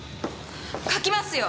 書きますよ？